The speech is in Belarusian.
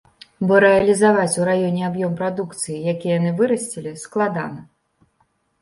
Бо рэалізаваць у раёне аб'ём прадукцыі, які яны вырасцілі, складана.